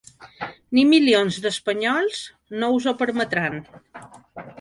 Ni milions d’espanyols no us ho permetran.